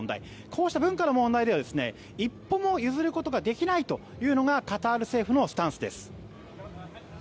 こうした文化の問題では一歩も譲ることができないというのがカタール政府のスタンスです。